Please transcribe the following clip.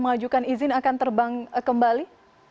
mengajukan izin akan terbang kembali